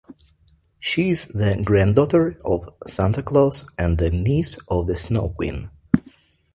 She is the granddaughter of Santa Claus and the niece of the Snow Queen.